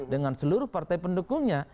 dengan seluruh partai pendukungnya